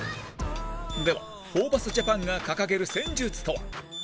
では、ホーバスＪＡＰＡＮが掲げる戦術とは？